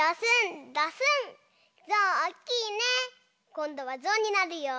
こんどはぞうになるよ。